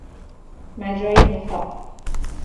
مجرا نخاع